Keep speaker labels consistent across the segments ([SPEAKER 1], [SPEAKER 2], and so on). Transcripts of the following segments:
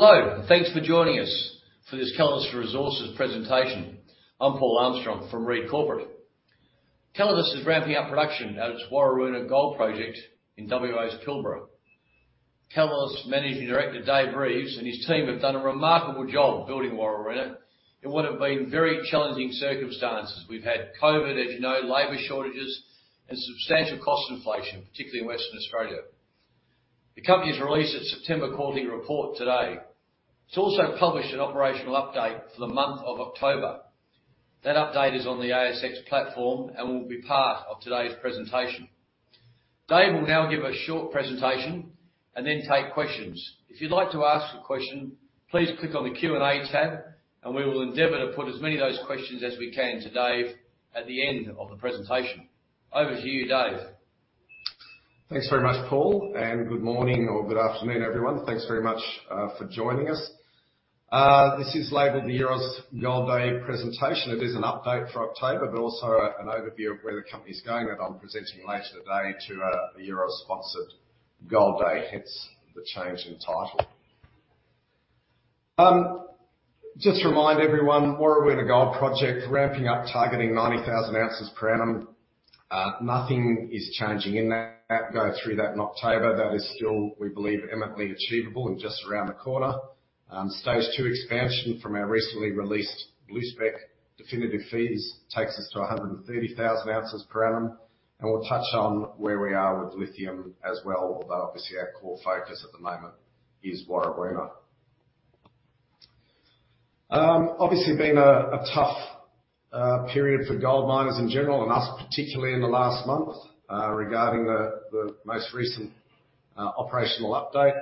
[SPEAKER 1] Hello, and thanks for joining us for this Calidus Resources presentation. I'm Paul Armstrong from Read Corporate. Calidus is ramping up production at its Warrawoona Gold Project in WA's Pilbara. Calidus Managing Director, Dave Reeves, and his team have done a remarkable job building Warrawoona in what have been very challenging circumstances. We've had COVID, as you know, labor shortages, and substantial cost inflation, particularly in Western Australia. The company has released its September quarterly report today. It's also published an operational update for the month of October. That update is on the ASX platform and will be part of today's presentation. Dave will now give a short presentation and then take questions. If you'd like to ask a question, please click on the Q&A tab, and we will endeavor to put as many of those questions as we can to Dave at the end of the presentation. Over to you, Dave.
[SPEAKER 2] Thanks very much, Paul, and good morning or good afternoon, everyone. Thanks very much for joining us. This is labeled the Euroz Hartleys Gold Day presentation. It is an update for October, but also an overview of where the company is going, and I'm presenting later today to the Euroz Hartleys-sponsored Gold Day, hence the change in title. Just to remind everyone, Warrawoona Gold Project, ramping up, targeting 90,000 ounces per annum. Nothing is changing in that, going through that in October. That is still, we believe, eminently achievable and just around the corner. Stage two expansion from our recently released Blue Spec definitive feasibility takes us to 130,000 ounces per annum. We'll touch on where we are with lithium as well, although obviously our core focus at the moment is Warrawoona. Obviously been a tough period for gold miners in general and us, particularly in the last month, regarding the most recent operational update,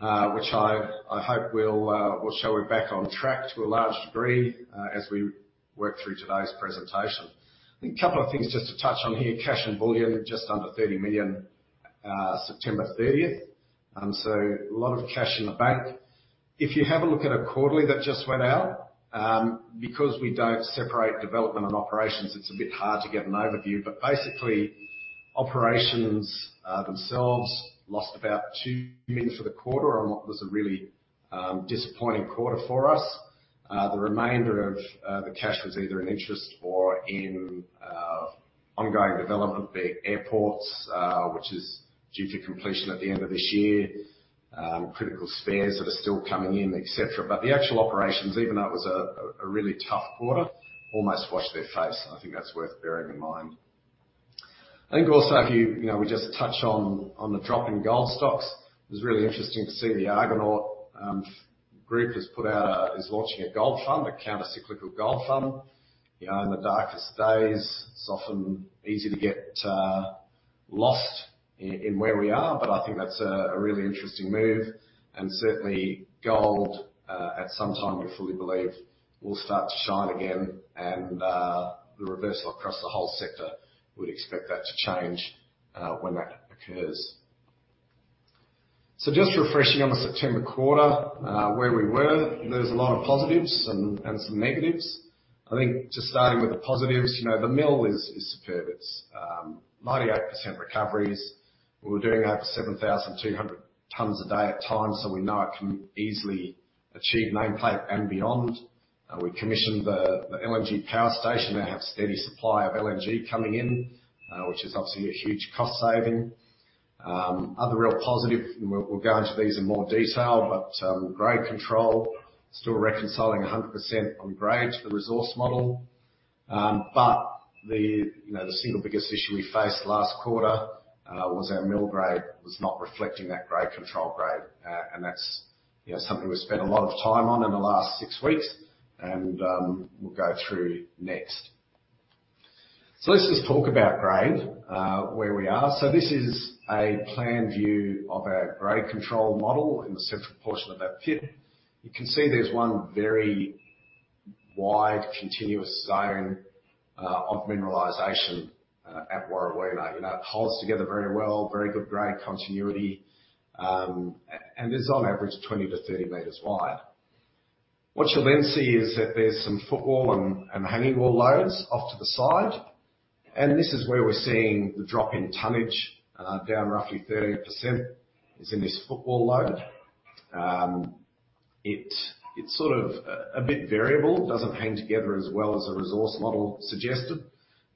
[SPEAKER 2] which I hope will show we're back on track to a large degree, as we work through today's presentation. I think a couple of things just to touch on here. Cash and bullion, just under 30 million, September 30th. So a lot of cash in the bank. If you have a look at our quarterly that just went out, because we don't separate development and operations, it's a bit hard to get an overview. Basically, operations themselves lost about 2 million for the quarter on what was a really disappointing quarter for us. The remainder of the cash was either in interest or in ongoing development, be it airports, which is due for completion at the end of this year, critical spares that are still coming in, et cetera. The actual operations, even though it was a really tough quarter, almost washed their face. I think that's worth bearing in mind. I think also if you know, we just touch on the drop in gold stocks. It was really interesting to see the Argonaut Group is launching a gold fund, a counter-cyclical gold fund. You know, in the darkest days, it's often easy to get lost in where we are, but I think that's a really interesting move. Certainly gold, at some time, we fully believe, will start to shine again and, the reversal across the whole sector, we'd expect that to change, when that occurs. Just refreshing on the September quarter, where we were. There's a lot of positives and some negatives. I think just starting with the positives, you know, the mill is superb. It's 98% recoveries. We were doing over 7,200 tons a day at times, so we know it can easily achieve nameplate and beyond. We commissioned the LNG power station. They have steady supply of LNG coming in, which is obviously a huge cost saving. Other real positive, and we'll go into these in more detail, but, grade control. Still reconciling 100% on grade to the resource model. The single biggest issue we faced last quarter was our mill grade was not reflecting that grade control grade. That's, you know, something we've spent a lot of time on in the last six weeks and we'll go through next. Let's just talk about grade where we are. This is a planned view of our grade control model in the central portion of that pit. You can see there's one very wide continuous zone of mineralization at Warrawoona. You know, it holds together very well, very good grade continuity, and is on average 20-30 meters wide. What you'll then see is that there's some footwall and hanging wall loads off to the side. This is where we're seeing the drop in tonnage, down roughly 30% is in this footwall load. It's sort of a bit variable. It doesn't hang together as well as the resource model suggested.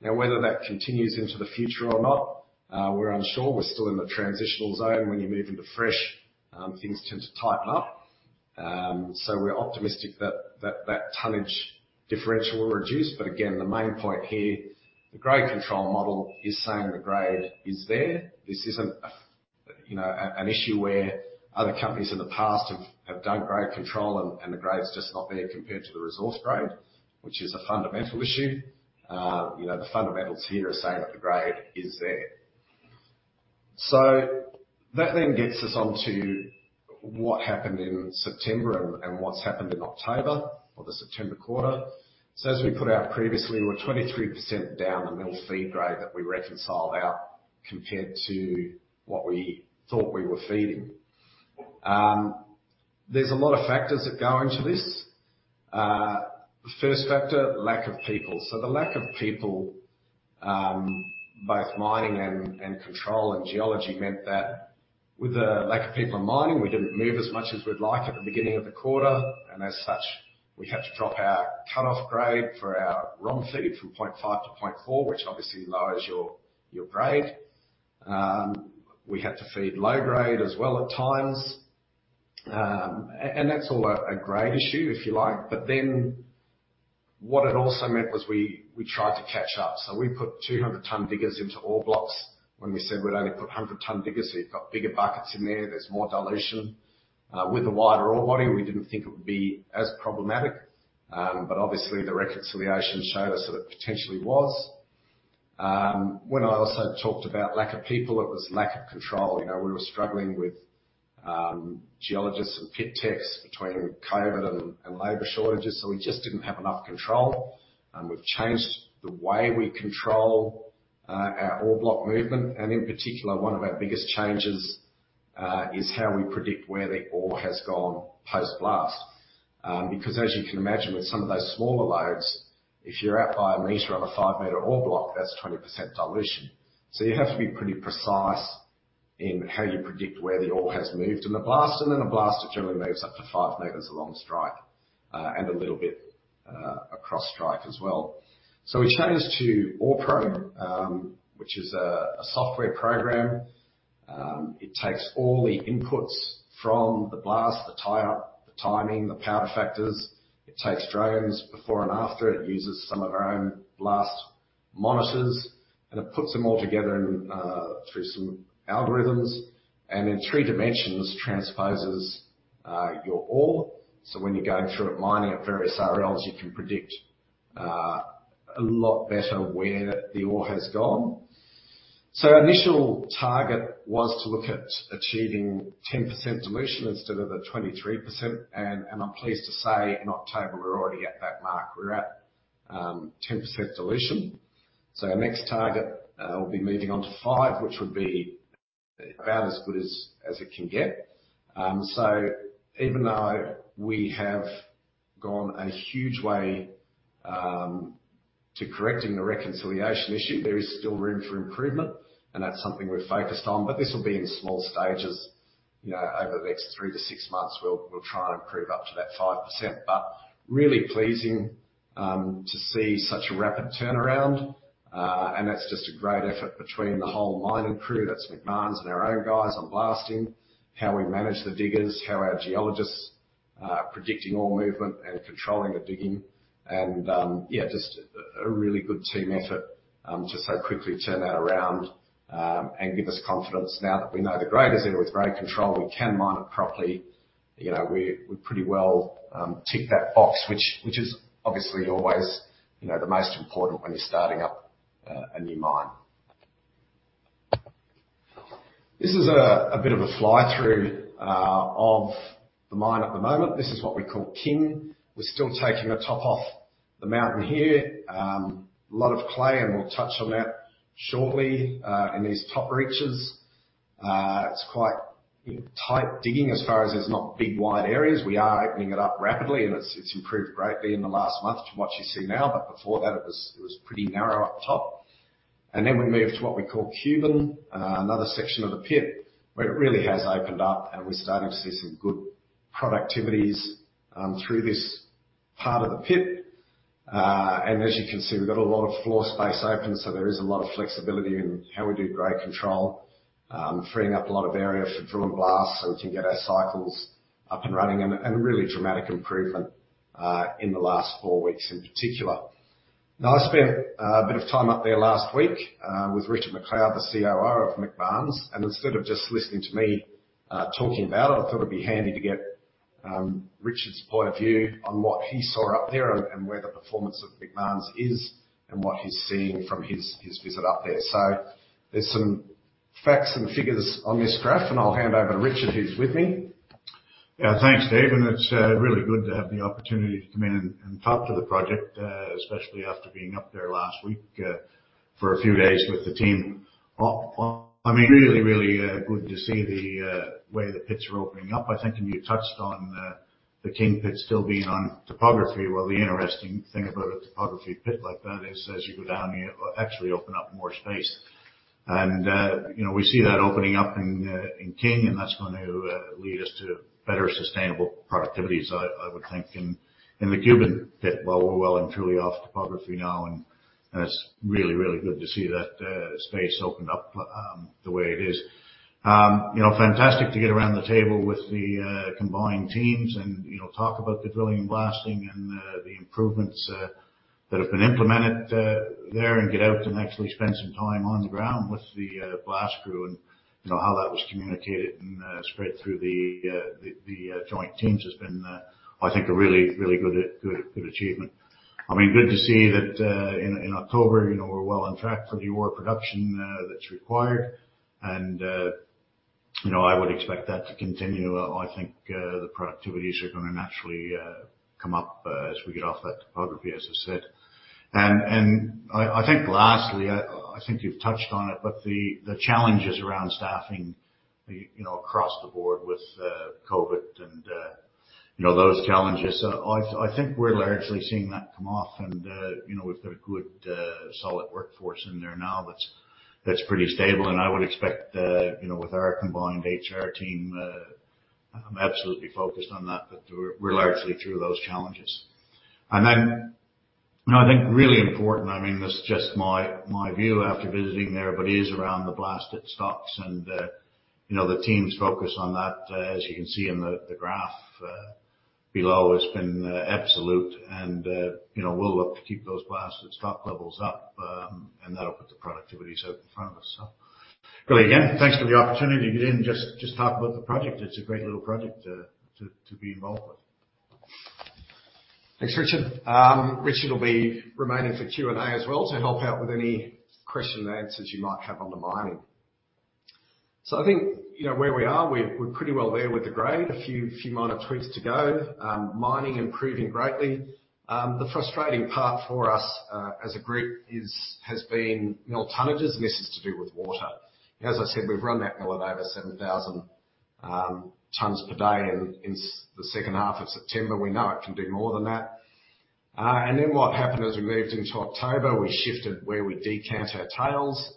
[SPEAKER 2] Now, whether that continues into the future or not, we're unsure. We're still in the transitional zone. When you move into fresh, things tend to tighten up. We're optimistic that tonnage differential will reduce. Again, the main point here, the grade control model is saying the grade is there. This isn't you know, an issue where other companies in the past have done grade control and the grade's just not there compared to the resource grade, which is a fundamental issue. You know, the fundamentals here are saying that the grade is there. That then gets us onto what happened in September and what's happened in October or the September quarter. As we put out previously, we're 23% down the mill feed grade that we reconciled out compared to what we thought we were feeding. There's a lot of factors that go into this. The first factor, lack of people. The lack of people, both mining and control and geology, meant that with a lack of people mining, we didn't move as much as we'd like at the beginning of the quarter. And as such, we had to drop our cutoff grade for our ROM feed from 0.5-0.4, which obviously lowers your grade. We had to feed low grade as well at times. And that's all a grade issue, if you like. What it also meant was we tried to catch up. We put 200-ton diggers into ore blocks when we said we'd only put 100-ton diggers. You've got bigger buckets in there. There's more dilution. With the wider ore body, we didn't think it would be as problematic. Obviously, the reconciliation showed us that it potentially was. When I also talked about lack of people, it was lack of control. You know, we were struggling with geologists and pit techs between COVID and labor shortages, so we just didn't have enough control. We've changed the way we control our ore block movement. In particular, one of our biggest changes is how we predict where the ore has gone post-blast. Because as you can imagine, with some of those smaller loads, if you're out by a meter on a five-meter ore block, that's 20% dilution. You have to be pretty precise in how you predict where the ore has moved. A blast, it generally moves up to five meters along strike, and a little bit across strike as well. We changed to OREPro, which is a software program. It takes all the inputs from the blast, the tie-up, the timing, the powder factors. It takes drones before and after. It uses some of our own blast monitors, and it puts them all together and through some algorithms and in three dimensions, transposes your ore. When you're going through it, mining at various RLs, you can predict a lot better where the ore has gone. Our initial target was to look at achieving 10% dilution instead of the 23%. I'm pleased to say in October, we're already at that mark. We're at 10% dilution. Our next target will be moving on to 5%, which would be about as good as it can get. Even though we have gone a huge way to correcting the reconciliation issue, there is still room for improvement, and that's something we're focused on. This will be in small stages. You know, over the next three-six months, we'll try and improve up to that 5%. Really pleasing to see such a rapid turnaround. That's just a great effort between the whole mining crew. That's Macmahon and our own guys on blasting. How we manage the diggers, how our geologists are predicting ore movement and controlling the digging and just a really good team effort to so quickly turn that around and give us confidence now that we know the grade is there with grade control, we can mine it properly. You know, we pretty well tick that box, which is obviously always you know the most important when you're starting up a new mine. This is a bit of a fly-through of the mine at the moment. This is what we call King. We're still taking the top off the mountain here. A lot of clay, and we'll touch on that shortly in these top reaches. It's quite tight digging as far as there's not big wide areas. We are opening it up rapidly, and it's improved greatly in the last month from what you see now, but before that it was pretty narrow up top. Then we move to what we call Cuban, another section of the pit where it really has opened up, and we're starting to see some good productivities through this part of the pit. As you can see, we've got a lot of floor space open, so there is a lot of flexibility in how we do grade control. Freeing up a lot of area for drill and blast, so we can get our cycles up and running and a really dramatic improvement in the last four weeks in particular. Now, I spent a bit of time up there last week with Richard McLeod, the COO of Macmahon. Instead of just listening to me talking about it, I thought it'd be handy to get Richard's point of view on what he saw up there and where the performance of Macmahon is and what he's seeing from his visit up there. There's some facts and figures on this graph, and I'll hand over to Richard, who's with me.
[SPEAKER 3] Yeah. Thanks, Dave, and it's really good to have the opportunity to come in and talk to the project, especially after being up there last week, for a few days with the team. I mean, really good to see the way the pits are opening up. I think, and you touched on, the King pit still being on topography. Well, the interesting thing about a topography pit like that is, as you go down, you actually open up more space. You know, we see that opening up in King, and that's going to lead us to better sustainable productivities, I would think. In the Cuban pit, well, we're well and truly off topography now, and it's really good to see that space opened up, the way it is. You know, fantastic to get around the table with the combined teams and, you know, talk about the drilling and blasting and the improvements that have been implemented there and get out and actually spend some time on the ground with the blast crew and, you know, how that was communicated and spread through the joint teams has been, I think, a really good achievement. I mean, good to see that in October, you know, we're well on track for the ore production that's required. You know, I would expect that to continue. I think the productivities are gonna naturally come up as we get off that topography, as I said. I think lastly, you've touched on it, but the challenges around staffing, you know, across the board with COVID and you know, those challenges. I think we're largely seeing that come off and you know, we've got a good solid workforce in there now that's pretty stable. I would expect that, you know, with our combined HR team absolutely focused on that, but we're largely through those challenges. I think really important, I mean, this is just my view after visiting there, but is around the blasted stocks and you know, the team's focus on that. As you can see in the graph below, it's been absolute and you know, we'll look to keep those blasted stock levels up, and that'll put the productivities out in front of us. Really, again, thanks for the opportunity to get in and just talk about the project. It's a great little project to be involved with.
[SPEAKER 2] Thanks, Richard. Richard will be remaining for Q&A as well to help out with any question and answers you might have on the mining. I think you know where we are. We're pretty well there with the grade. A few minor tweaks to go. Mining improving greatly. The frustrating part for us, as a group, has been mill tonnages, and this is to do with water. As I said, we've run that mill at over 7,000 tonnes per day in the H2 of September. We know it can do more than that. And then what happened as we moved into October, we shifted where we decant our tails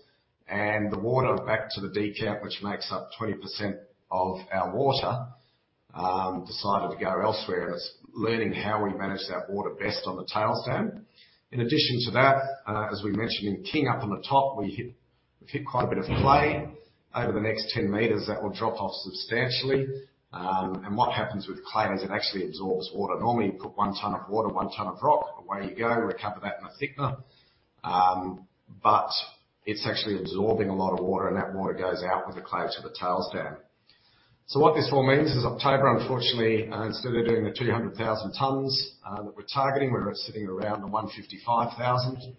[SPEAKER 2] and the water back to the decant, which makes up 20% of our water, decided to go elsewhere. It's learning how we manage that water best on the tailings stand. In addition to that, as we mentioned in the clean up on the top, we've hit quite a bit of clay. Over the next 10 meters, that will drop off substantially. What happens with clay is it actually absorbs water. Normally, you put one tonne of water, one tonne of rock, away you go, recover that in a thickener. It's actually absorbing a lot of water, and that water goes out with the clay to the tailings dam. What this all means is October, unfortunately, instead of doing the 200,000 tonnes that we're targeting, we're sitting around the 155,000.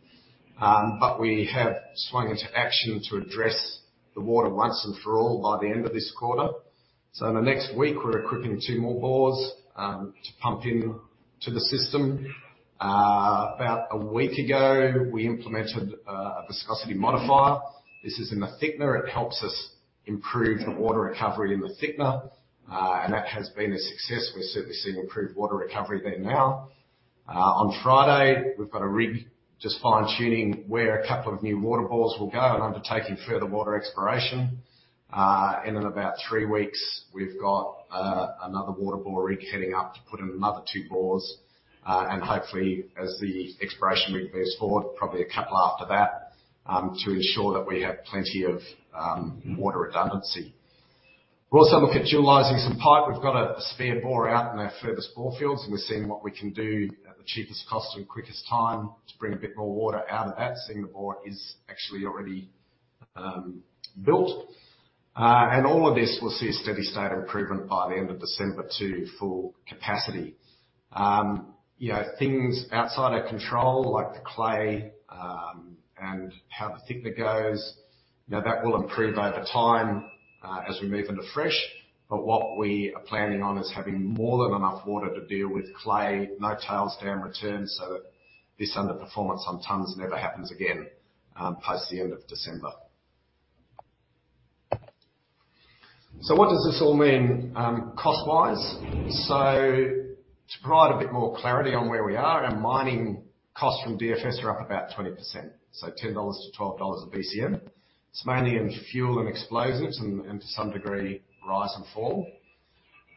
[SPEAKER 2] We have swung into action to address the water once and for all by the end of this quarter. In the next week, we're equipping two more bores to pump into the system. About a week ago, we implemented a viscosity modifier. This is in the thickener. It helps us improve the water recovery in the thickener. That has been a success. We're certainly seeing improved water recovery there now. On Friday, we've got a rig just fine-tuning where a couple of new water bores will go and undertaking further water exploration. In about three weeks, we've got another water bore rig heading up to put in another two bores. Hopefully, as the exploration rig moves forward, probably a couple after that, to ensure that we have plenty of water redundancy. We're also looking at utilizing some pipe. We've got a spare bore out in our furthest bore fields, and we're seeing what we can do at the cheapest cost and quickest time to bring a bit more water out of that, seeing the bore is actually already built. All of this will see a steady state of improvement by the end of December to full capacity. You know, things outside our control, like the clay, and how the thickener goes, you know, that will improve over time as we move into fresh. What we are planning on is having more than enough water to deal with clay, no tailings dam returns, so that this underperformance on tons never happens again past the end of December. What does this all mean cost-wise? To provide a bit more clarity on where we are, our mining costs from DFS are up about 20%. 10-12 dollars a BCM. It's mainly in fuel and explosives and to some degree, rise and fall.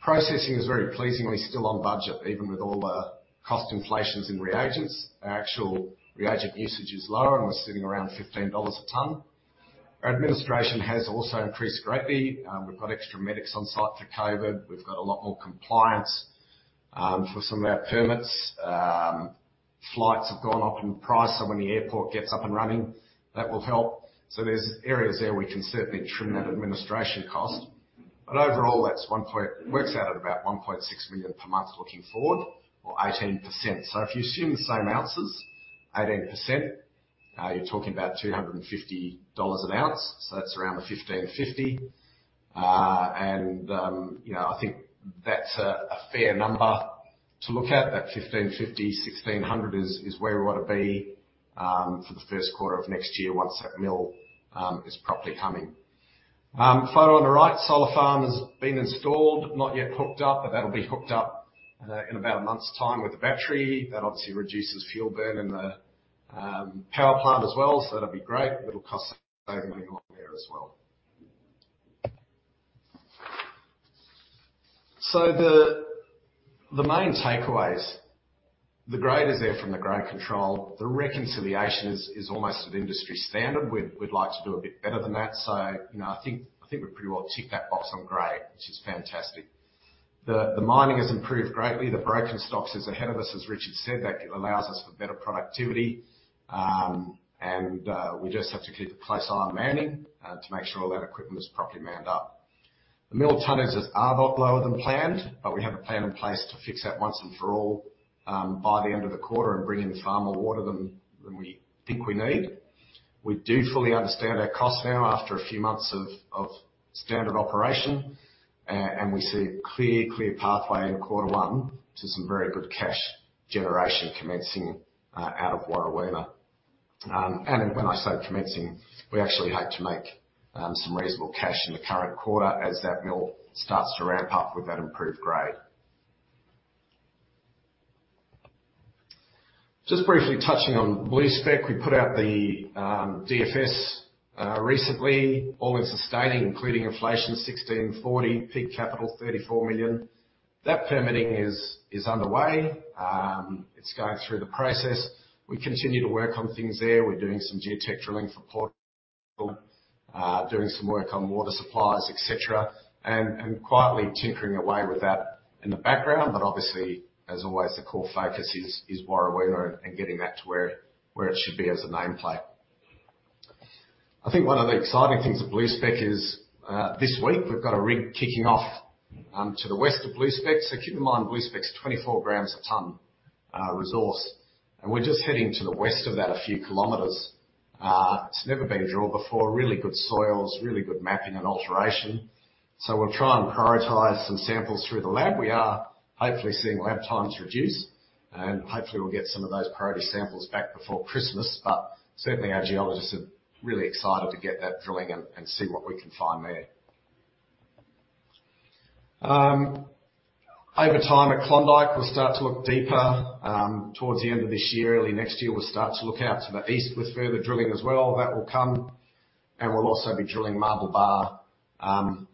[SPEAKER 2] Processing is very pleasingly still on budget, even with all the cost inflations in reagents. Our actual reagent usage is lower, and we're sitting around 15 dollars a tonne. Our administration has also increased greatly. We've got extra medics on site for COVID. We've got a lot more compliance for some of our permits. Flights have gone up in price, so when the airport gets up and running, that will help. There's areas there we can certainly trim that administration cost. Overall, that works out at about 1.6 million per month looking forward or 18%. If you assume the same ounces, 18%, you're talking about $250 an ounce, so that's around the $1,550. You know, I think that's a fair number to look at. That $1,550-$1,600 is where we wanna be for the Q1 of next year once that mill is properly humming. Photo on the right, solar farm has been installed, not yet hooked up, but that'll be hooked up in about a month's time with the battery. That obviously reduces fuel burn in the power plant as well, so that'll be great. Little cost saving going on there as well. The main takeaways, the grade is there from the grade control. The reconciliation is almost at industry standard. We'd like to do a bit better than that. You know, I think we've pretty well ticked that box on grade, which is fantastic. The mining has improved greatly. The broken stocks is ahead of us, as Richard said. That allows us for better productivity. And we just have to keep a close eye on manning to make sure all that equipment is properly manned up. The mill tonnages are a lot lower than planned, but we have a plan in place to fix that once and for all by the end of the quarter and bring in far more water than we think we need. We do fully understand our costs now after a few months of standard operation. And we see a clear pathway in quarter one to some very good cash generation commencing out of Warrawoona. When I say commencing, we actually had to make some reasonable cash in the current quarter as that mill starts to ramp up with that improved grade. Just briefly touching on Blue Spec. We put out the DFS recently, All-in Sustaining, including inflation, 1,640, peak capital, 34 million. That permitting is underway. It's going through the process. We continue to work on things there. We're doing some geotechnical work for portal, doing some work on water supplies, et cetera, and quietly tinkering away with that in the background. Obviously, as always, the core focus is Warrawoona and getting that to where it should be as a nameplate. I think one of the exciting things with Blue Spec is this week, we've got a rig kicking off to the west of Blue Spec. Keep in mind, Blue Spec's 24 grams a ton resource, and we're just heading to the west of that a few kilometers. It's never been drilled before. Really good soils, really good mapping and alteration. We'll try and prioritize some samples through the lab. We are hopefully seeing lab times reduce, and hopefully we'll get some of those priority samples back before Christmas. Our geologists are really excited to get that drilling and see what we can find there. Over time at Klondyke, we'll start to look deeper towards the end of this year. Early next year, we'll start to look out to the east with further drilling as well. That will come, and we'll also be drilling Marble Bar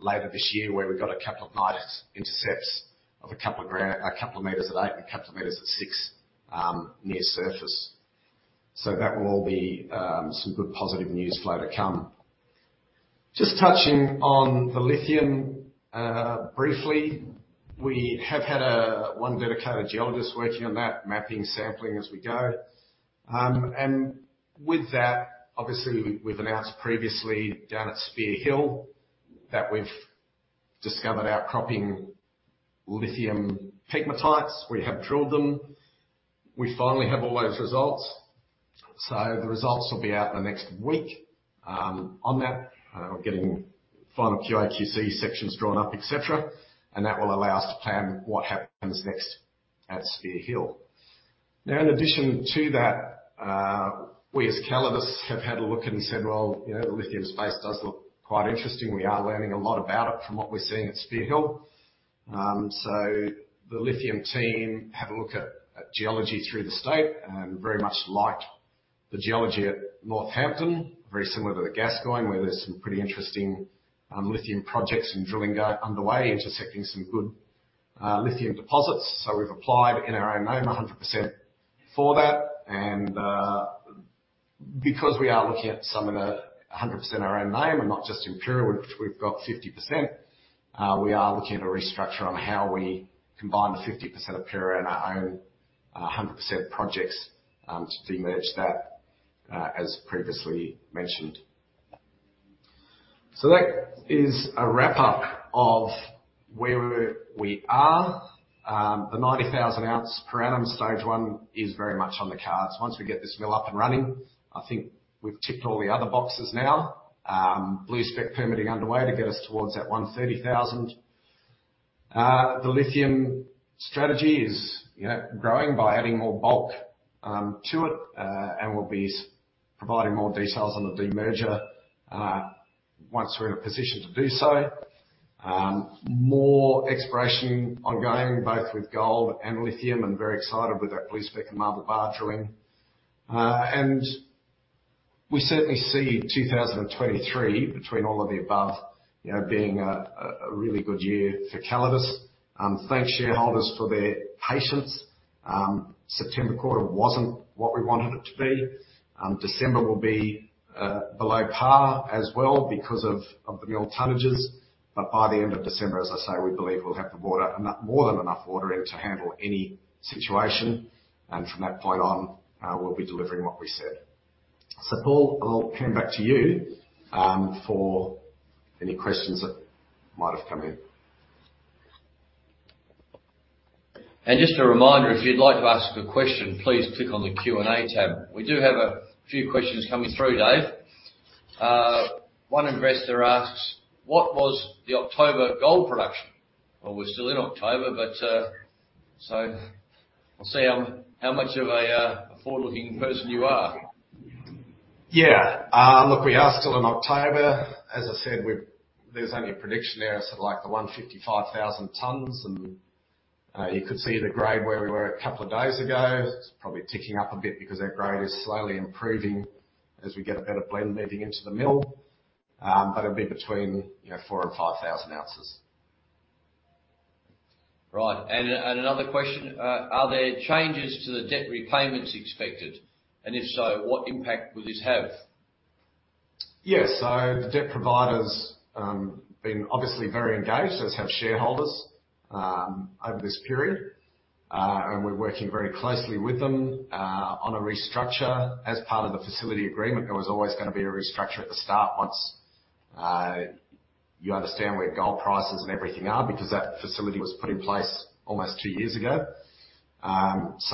[SPEAKER 2] later this year, where we've got a couple of nice intercepts of a couple of meters at eight and a couple of meters at six, near surface. That will all be some good positive news flow to come. Just touching on the lithium briefly. We have had one dedicated geologist working on that, mapping, sampling as we go. With that, obviously we've announced previously down at Spear Hill that we've discovered outcropping lithium pegmatites. We have drilled them. We finally have all those results. The results will be out in the next week on that. We're getting final QA/QC sections drawn up, et cetera. That will allow us to plan what happens next at Spear Hill. Now, in addition to that, we as Calidus have had a look and said, "Well, you know, the lithium space does look quite interesting." We are learning a lot about it from what we're seeing at Spear Hill. So the lithium team had a look at geology through the state and very much liked the geology at Northampton, very similar to the Gascoyne, where there's some pretty interesting lithium projects and drilling underway, intersecting some good lithium deposits. So we've applied in our own name, 100% for that. Because we are looking at some of the 100% our own name and not just Imperial, which we've got 50%, we are looking at a restructure on how we combine the 50% Imperial and our own 100% projects to demerge that, as previously mentioned. That is a wrap-up of where we are. The 90,000 ounce per annum stage one is very much on the cards. Once we get this mill up and running, I think we've ticked all the other boxes now. Blue Spec permitting underway to get us towards that 130,000. The lithium strategy is, you know, growing by adding more bulk to it. We'll be providing more details on the demerger once we're in a position to do so. More exploration ongoing both with gold and lithium and very excited with that Blue Spec and Marble Bar drilling. We certainly see 2023 between all of the above, you know, being a really good year for Calidus. Thank shareholders for their patience. September quarter wasn't what we wanted it to be. December will be below par as well because of the mill tonnages. By the end of December, as I say, we believe we'll have more than enough water in to handle any situation. From that point on, we'll be delivering what we said. Paul, I'll hand back to you for any questions that might have come in.
[SPEAKER 1] Just a reminder, if you'd like to ask a question, please click on the Q&A tab. We do have a few questions coming through, Dave. One investor asks, "What was the October gold production?" Well, we're still in October, but, so I'll see how much of a forward-looking person you are.
[SPEAKER 2] Yeah, look, we are still in October. As I said, there's only a prediction there. Like 155,000 tons, and you could see the grade where we were a couple of days ago. It's probably ticking up a bit because our grade is slowly improving as we get a better blend moving into the mill. It'll be between, you know, 4,000 and 5,000 ounces.
[SPEAKER 1] Right. Another question. Are there changes to the debt repayments expected? If so, what impact will this have?
[SPEAKER 2] Yes. The debt provider's been obviously very engaged, as have shareholders, over this period. We're working very closely with them on a restructure. As part of the facility agreement, there was always gonna be a restructure at the start once you understand where gold prices and everything are because that facility was put in place almost two years ago.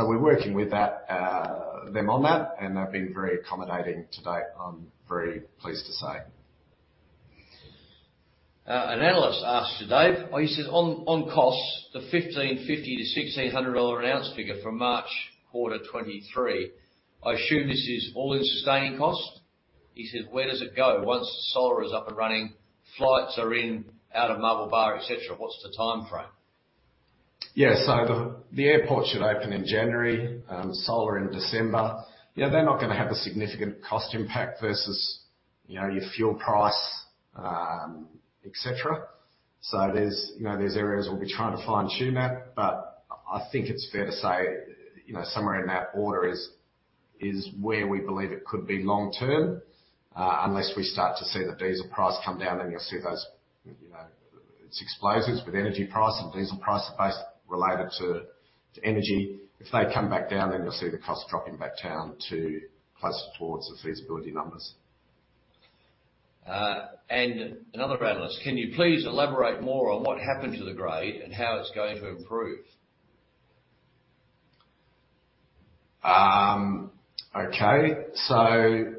[SPEAKER 2] We're working with them on that, and they've been very accommodating to date, I'm very pleased to say.
[SPEAKER 1] An analyst asked you, Dave. He says, "On costs, the 1,550-1,600 dollar an ounce figure from March quarter 2023, I assume this is All-in Sustaining Cost." He says, "Where does it go once solar is up and running, flights are in, out of Marble Bar, et cetera. What's the timeframe?
[SPEAKER 2] Yeah. The airport should open in January, solar in December. Yeah, they're not gonna have a significant cost impact versus, you know, your fuel price, et cetera. You know, there's areas we'll be trying to fine-tune that. I think it's fair to say, you know, somewhere in that order is where we believe it could be long term, unless we start to see the diesel price come down, then you'll see those, you know, it's explosives with energy price and diesel price are both related to energy. If they come back down, then you'll see the cost dropping back down to closer towards the feasibility numbers.
[SPEAKER 1] Another analyst. "Can you please elaborate more on what happened to the grade and how it's going to improve?"
[SPEAKER 2] Okay.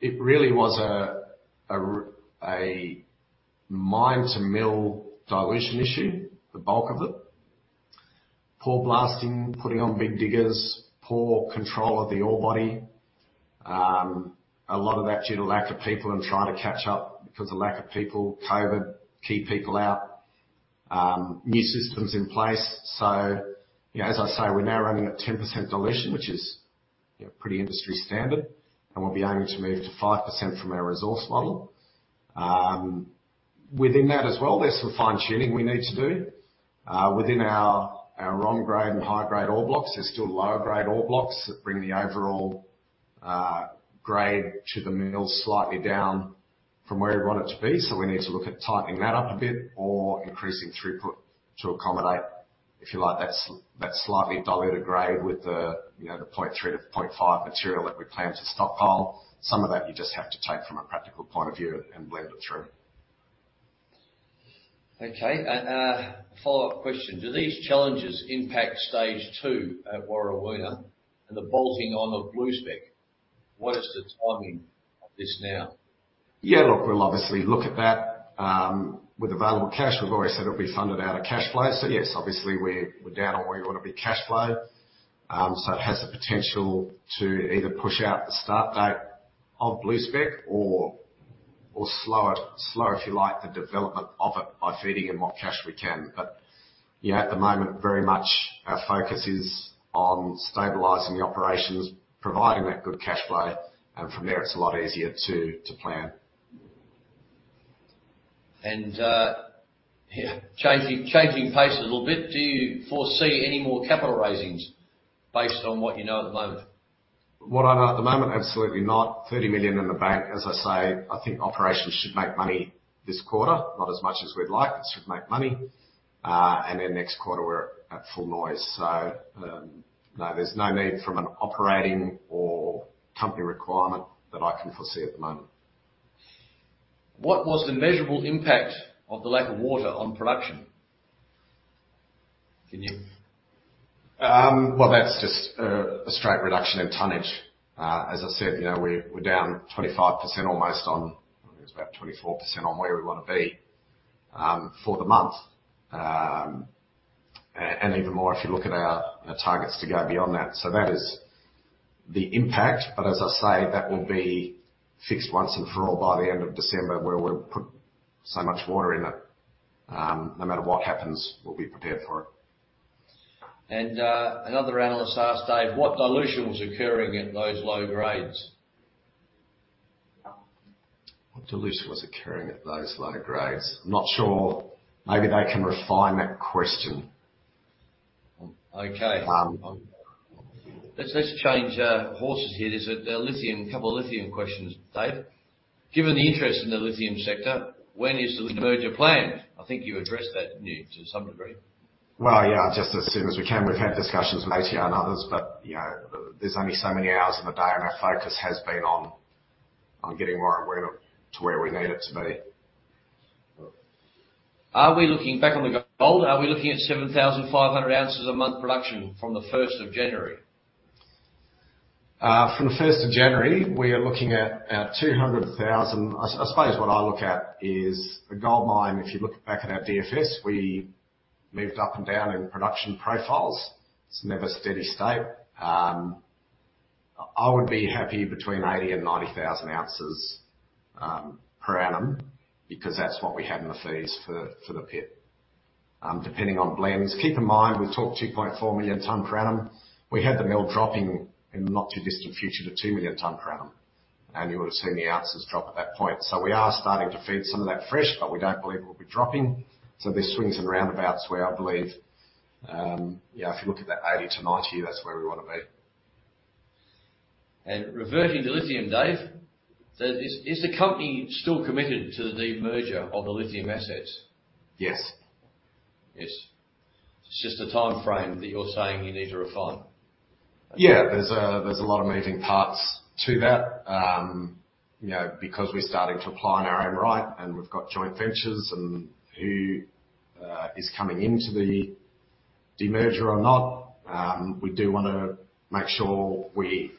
[SPEAKER 2] It really was a mine-to-mill dilution issue, the bulk of it. Poor blasting, putting on big diggers, poor control of the ore body. A lot of that due to lack of people and trying to catch up because of lack of people. COVID kept people out. New systems in place. You know, as I say, we're now running at 10% dilution, which is, you know, pretty industry standard, and we'll be aiming to move to 5% from our resource model. Within that as well, there's some fine-tuning we need to do. Within our ROM grade and high-grade ore blocks, there's still lower grade ore blocks that bring the overall grade to the mill slightly down from where we want it to be. We need to look at tightening that up a bit or increasing throughput to accommodate, if you like, that slightly diluted grade with the, you know, the 0.3-0.5 material that we plan to stockpile. Some of that you just have to take from a practical point of view and blend it through.
[SPEAKER 1] Okay. A follow-up question: "Do these challenges impact stage two at Warrawoona and the bolting on of Blue Spec? What is the timing of this now?
[SPEAKER 2] Yeah, look, we'll obviously look at that with available cash. We've already said it'll be funded out of cash flow. Yes, obviously we're down on where you want to be cash flow. It has the potential to either push out the start date of Blue Spec or slow it, if you like, the development of it by feeding in what cash we can. Yeah, at the moment, very much our focus is on stabilizing the operations, providing that good cash flow, and from there, it's a lot easier to plan.
[SPEAKER 1] Yeah. Changing pace a little bit. "Do you foresee any more capital raisings based on what you know at the moment?"
[SPEAKER 2] What I know at the moment, absolutely not. 30 million in the bank. As I say, I think operations should make money this quarter. Not as much as we'd like. It should make money. Next quarter, we're at full noise. No, there's no need from an operating or company requirement that I can foresee at the moment.
[SPEAKER 1] What was the measurable impact of the lack of water on production?
[SPEAKER 2] Well, that's just a straight reduction in tonnage. As I said, you know, we're down 25% almost on. It's about 24% on where we wanna be for the month. Even more if you look at our targets to go beyond that. That is the impact. As I say, that will be fixed once and for all by the end of December, where we'll put so much water in it. No matter what happens, we'll be prepared for it.
[SPEAKER 1] Another analyst asked, Dave, "What dilution was occurring at those low grades?"
[SPEAKER 2] What dilution was occurring at those low grades? Not sure. Maybe they can refine that question.
[SPEAKER 1] Okay.
[SPEAKER 2] Um.
[SPEAKER 1] Let's change horses here. There's a couple of lithium questions, Dave. "Given the interest in the lithium sector, when is demerger planned?" I think you addressed that, didn't you, to some degree?
[SPEAKER 2] Well, yeah, just as soon as we can. We've had discussions with ATR and others, but, you know, there's only so many hours in the day, and our focus has been on getting Warrawoona to where we need it to be.
[SPEAKER 1] Are we looking back on the gold. "Are we looking at 7,500 ounces a month production from the first of January?"
[SPEAKER 2] From the first of January, we are looking at 200,000. I suppose what I look at is a gold mine. If you look back at our DFS, we moved up and down in production profiles. It's never steady state. I would be happy between 80,000 and 90,000 ounces per annum because that's what we had in the DFS for the pit, depending on blends. Keep in mind, we talked 2.4 million tons per annum. We had the mill dropping in the not too distant future to 2 million tons per annum, and you would've seen the ounces drop at that point. We are starting to feed some of that fresh, but we don't believe it will be dropping. There's swings and roundabouts where I believe, yeah, if you look at that 80-90, that's where we wanna be.
[SPEAKER 1] Reverting to lithium, Dave. Is the company still committed to the demerger of the lithium assets?
[SPEAKER 2] Yes.
[SPEAKER 1] It's just a timeframe that you're saying you need to refine.
[SPEAKER 2] Yeah. There's a lot of moving parts to that, you know, because we're starting to apply in our own right and we've got joint ventures and who is coming into the demerger or not. We do wanna make sure we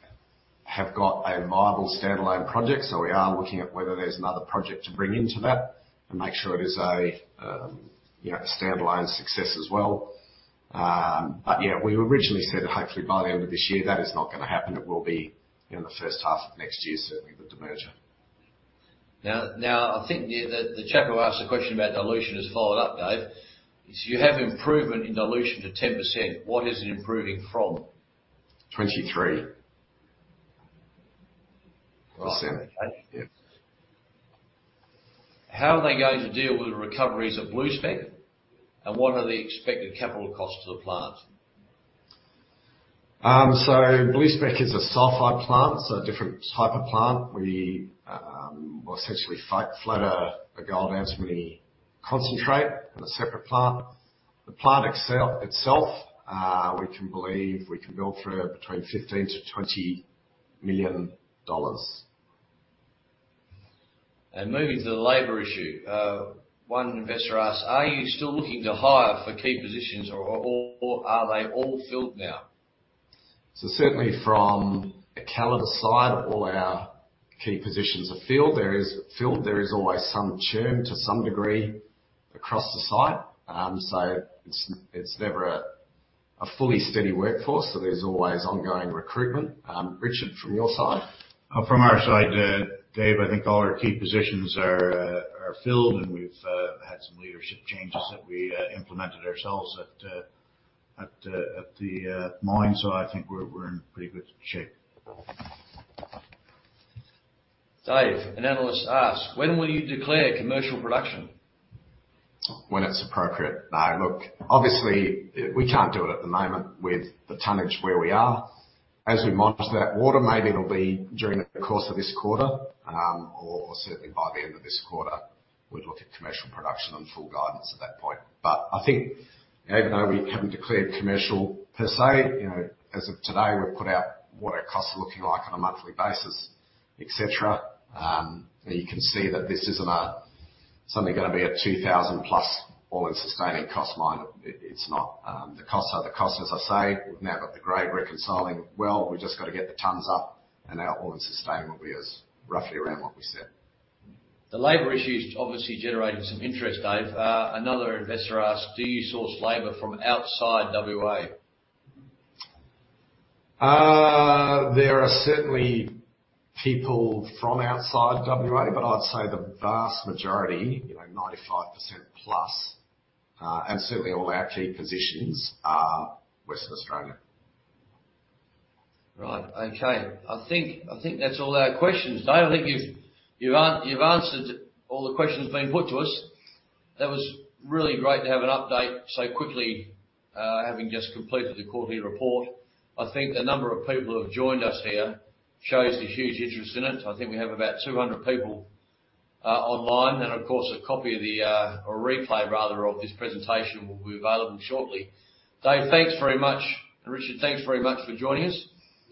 [SPEAKER 2] have got a viable standalone project. We are looking at whether there's another project to bring into that and make sure it is a, you know, a standalone success as well. Yeah, we originally said hopefully by the end of this year. That is not gonna happen. It will be in the first half of next year, certainly with the merger.
[SPEAKER 1] Now I think the chap who asked the question about dilution has followed up, Dave. If you have improvement in dilution to 10%, what is it improving from?
[SPEAKER 2] 23%.
[SPEAKER 1] Okay.
[SPEAKER 2] Yeah.
[SPEAKER 1] How are they going to deal with the recoveries at Blue Spec? What are the expected capital costs to the plant?
[SPEAKER 2] Blue Spec is a sulfide plant, a different type of plant. We, well, essentially float a gold arsenopyrite concentrate in a separate plant. The plant itself, we believe we can go through between 15 million and 20 million dollars.
[SPEAKER 1] Moving to the labor issue, one investor asked, "Are you still looking to hire for key positions or are they all filled now?
[SPEAKER 2] Certainly from a Calidus side, all our key positions are filled. There is always some churn to some degree across the site. It's never a fully steady workforce, so there's always ongoing recruitment. Richard, from your side.
[SPEAKER 3] From our side, Dave, I think all our key positions are filled and we've had some leadership changes that we implemented ourselves at the mine. I think we're in pretty good shape.
[SPEAKER 1] Dave, an analyst asks, "When will you declare commercial production?
[SPEAKER 2] When it's appropriate. Now, look, obviously we can't do it at the moment with the tonnage where we are. As we monitor that water, maybe it'll be during the course of this quarter, or certainly by the end of this quarter, we'd look at commercial production and full guidance at that point. I think even though we haven't declared commercial per se, you know, as of today, we've put out what our costs are looking like on a monthly basis, et cetera. You can see that this isn't a something gonna be a 2000+ All-in Sustaining Cost mine. It's not. The costs are the costs, as I say. We've now got the grade reconciling. Well, we've just gotta get the tonnes up and our All-in Sustaining Cost will be as roughly around what we said.
[SPEAKER 1] The labor issue's obviously generated some interest, Dave. Another investor asked, "Do you source labor from outside WA?
[SPEAKER 2] There are certainly people from outside WA, but I'd say the vast majority, you know, 95%+, and certainly all our key positions are Western Australia.
[SPEAKER 1] Right. Okay. I think that's all our questions, Dave. I think you've answered all the questions being put to us. That was really great to have an update so quickly, having just completed the quarterly report. I think the number of people who have joined us here shows the huge interest in it. I think we have about 200 people online. Of course, a copy of the or replay rather of this presentation will be available shortly. Dave, thanks very much. Richard, thanks very much for joining us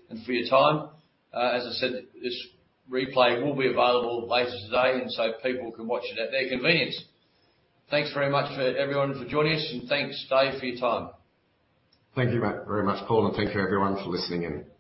[SPEAKER 1] and for your time. As I said, this replay will be available later today, and so people can watch it at their convenience. Thanks very much for everyone for joining us, and thanks Dave for your time.
[SPEAKER 2] Thank you very much, Paul, and thank you everyone for listening in.